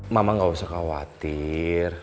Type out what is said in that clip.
mama gak usah khawatir